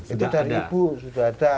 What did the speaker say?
itu dari ibu sudah ada